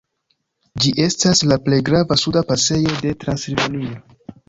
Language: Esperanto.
Ĝi estas la plej grava suda pasejo de Transilvanio.